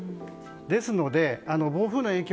ですので、暴風雨の影響